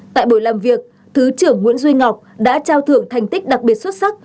tại buổi làm việc thứ trưởng nguyễn duy ngọc đã trao thưởng thành tích đặc biệt xuất sắc